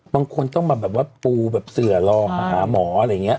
บางคนต้องมาปูเสือรอหาหมออะไรอย่างนี้